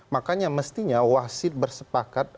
makanya mestinya wasit bersepakat